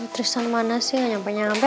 tristan mana sih gak nyampe nyampe